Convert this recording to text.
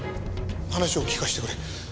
話を聞かせてくれ。